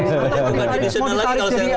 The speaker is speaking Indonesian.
oh dia bukan additional lagi kalau saya lihat